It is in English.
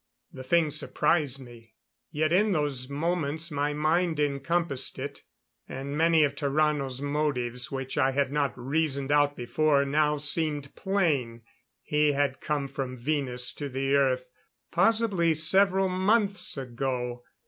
The thing surprised me. Yet in those moments my mind encompassed it; and many of Tarrano's motives which I had not reasoned out before now seemed plain. He had come from Venus to the Earth, possibly several months ago.